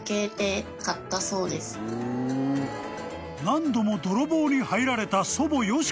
［何度も泥棒に入られた］